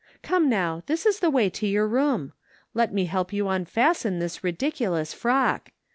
Come now, this is the way to your room. Let me help you unfasten this ridiculous frock.